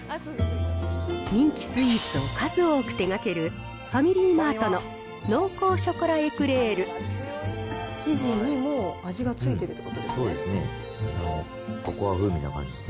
人気スイーツを数多く手がけるファミリーマートの濃厚ショコラエ生地にもう味がついてるといそうですね。